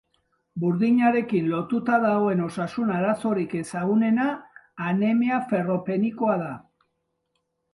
Burdinarekin lotuta dagoen osasun arazorik ezagunena anemia ferropenikoa da.